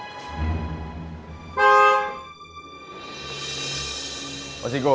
kau tak bisa mencoba